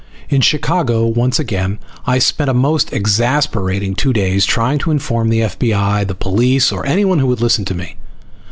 In Chicago once again, I spent a most exasperating two days trying to inform the F.B.I., the police, or anyone who would listen to me.